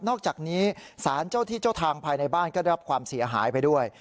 อกจากนี้สารเจ้าที่เจ้าทางภายในบ้านก็ได้รับความเสียหายไปด้วย